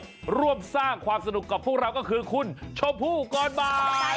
ร่วมสร้างความสนุกกับพวกเราก็คือคุณชมพู่ก่อนบ่าย